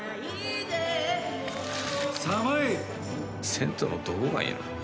銭湯のどこがいいの？